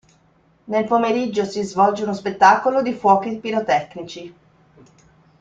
Nel pomeriggio si svolge uno spettacolo di fuochi pirotecnici.